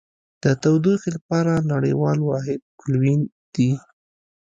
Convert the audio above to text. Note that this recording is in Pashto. د تودوخې لپاره نړیوال واحد کلوین دی.